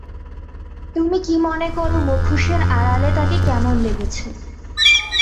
তুমি কি মনে কর মুখোশের আড়ালে তাকে কেমন লাগছে?